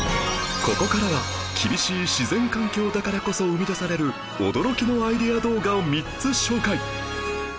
ここからは厳しい自然環境だからこそ生み出される驚きのアイデア動画を３つ紹介